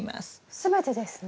全てですね？